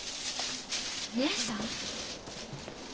姉さん？